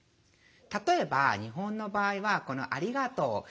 例えば日本の場合はこの「ありがとう」